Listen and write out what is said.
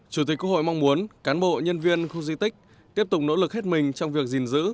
chủ tịch quốc hội mong muốn cán bộ nhân viên khu di tích tiếp tục nỗ lực hết mình trong việc gìn giữ